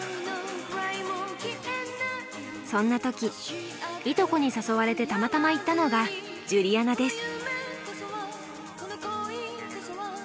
そんな時いとこに誘われてたまたま行ったのがジュリアナです。